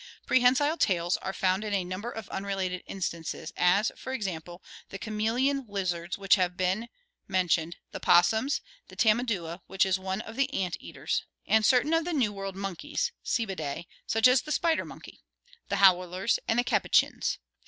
Prehensile tails are found in a number of unrelated instances, as, for example, the chameleon lizards which have been men tioned, the opossums, the tamandua which is one of the ant eaters, 346 ORGANIC EVOLUTION and certain of the New World monkeys (Cebidae) such as the spider monkey (see Fig. 237), the howlers, and the capuchins.